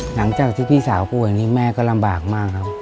หลังจากที่พี่สาวป่วยอันนี้แม่ก็ลำบากมากครับ